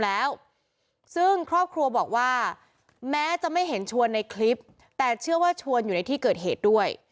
แล้วซึ่งครอบครัวบอกว่าแม้จะไม่เห็นชวนในคลิปแต่เชื่อว่าชวนอยู่ในที่เกิดเหตุด้วย